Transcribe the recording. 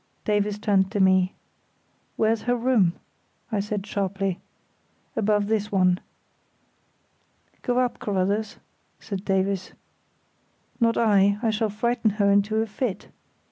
Davies turned to me. "Where's her room?" I said, sharply. "Above this one." "Go up, Carruthers," said Davies. "Not I—I shall frighten her into a fit."